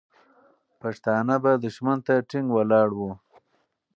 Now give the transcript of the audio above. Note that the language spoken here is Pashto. پښتانه به دښمن ته ټینګ ولاړ وو.